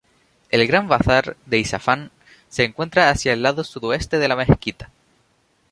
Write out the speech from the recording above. El Gran Bazar de Isfahán se encuentra hacia el lado sudoeste de la mezquita.